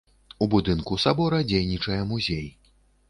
У будынку сабора дзейнічае музей.